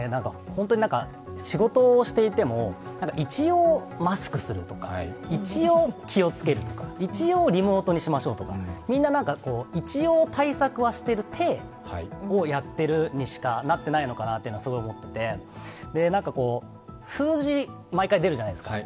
本当に仕事をしていても一応マスクするとか一応気をつけるとか、一応リモートにしましょうとか、みんな一応対策はしている体をやっているにしかなっていないのかなと思っていて、数字、毎回出るじゃないですか。